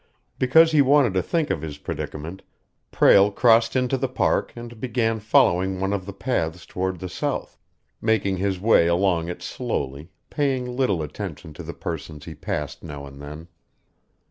Because he wanted to think of his predicament, Prale crossed into the Park and began following one of the paths toward the south, making his way along it slowly, paying little attention to the persons he passed now and then.